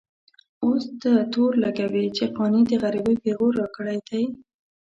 اوس ته تور لګوې چې قانع د غريبۍ پېغور راکړی دی.